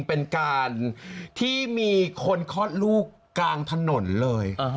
เป็นการที่มีคนคลอดลูกกลางถนนเลย